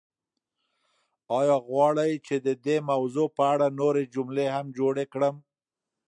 ایا غواړئ چې د دې موضوع په اړه نورې جملې هم جوړې کړم؟